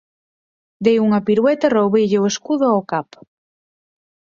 Dei unha pirueta e roubeille o escudo ao Cap.